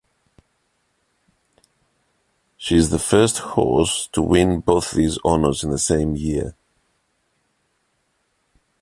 She is the first horse to win both these honors in the same year.